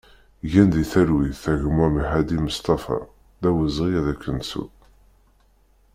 Gen di talwit a gma Mehadi Mestafa, d awezɣi ad k-nettu!